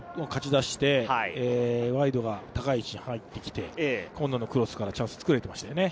ワイドが高い位置に入ってきて、今野のクロスからチャンスを作れていましたね。